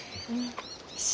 よし。